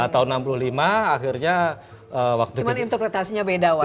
tahun seribu sembilan ratus enam puluh lima akhirnya cuman interpretasinya beda